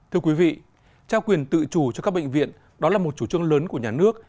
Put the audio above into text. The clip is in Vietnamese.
thưa quý vị trao quyền tự chủ cho các bệnh viện đó là một chủ trương lớn của nhà nước